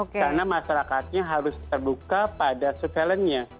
karena masyarakatnya harus terbuka pada surveillancenya